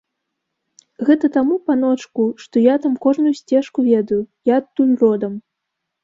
Гэта таму, паночку, што я там кожную сцежку ведаю, я адтуль родам.